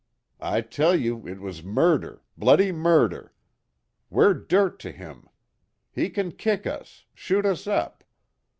I tell you it was murder bloody murder! We're dirt to him. He can kick us shoot us up.